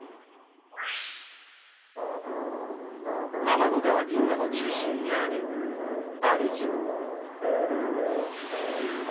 天の川銀河の中心にあるバルジ。